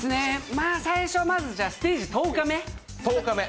最初はまずステージ１０日目。